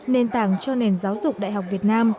nền tảng cho nền giáo dục đại học việt nam